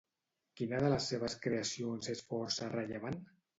Quina de les seves creacions és força rellevant?